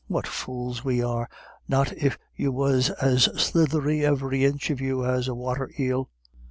What fools we are. Not if you was as slithery, ivery inch of you, as a wather eel."